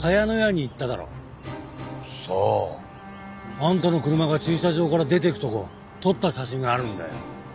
あんたの車が駐車場から出ていくとこ撮った写真があるんだよ。